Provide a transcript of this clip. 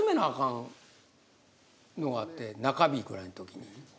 のがあって中日ぐらいの時に。